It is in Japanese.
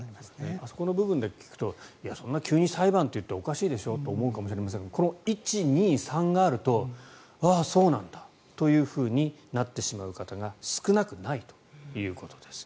あそこの部分だけ聞くとそんな急に裁判と言っておかしいでしょと思うかもしれませんがこの１、２、３があるとああ、そうなんだというふうになってしまう方が少なくないということです。